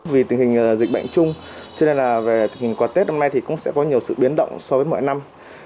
vì tình hình dịch bệnh chung cho nên là về tình hình quà tết năm nay thì cũng sẽ có nhiều sự biến động so với mọi năm